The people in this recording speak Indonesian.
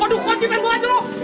aduh kunci main gua aja lu